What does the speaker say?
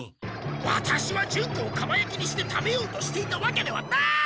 ワタシはジュンコをかばやきにして食べようとしていたわけではない！